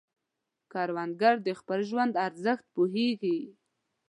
کروندګر د خپل ژوند ارزښت پوهیږي